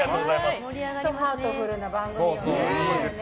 ハートフルな番組よね。